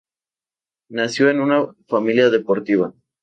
Nació en una familia deportiva.